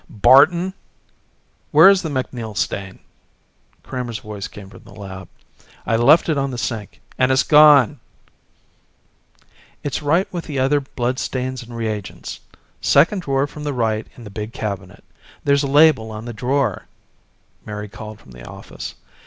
"Barton! Where is the MacNeal stain!" Kramer's voice came from the lab. "I left it on the sink and it's gone!" "It's with the other blood stains and reagents. Second drawer from the right in the big cabinet. There's a label on the drawer," Mary called from the office.